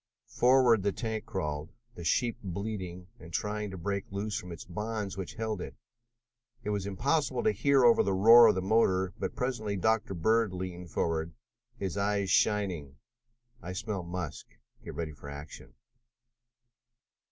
Forward the tank crawled, the sheep bleating and trying to break loose from the bonds which held it. It was impossible to hear much over the roar of the motor, but presently Dr. Bird leaned forward, his eyes shining. "I smell musk," he announced. "Get ready for action."